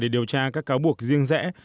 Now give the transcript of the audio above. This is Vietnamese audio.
để điều tra các cáo buộc riêng rẽ